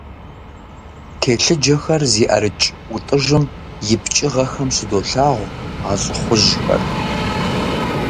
Телъыджэхэр зи ӀэрыкӀ ӀутӀыжым и пкӀыгъэхэм щыдолъагъу а лӀыхъужьхэр.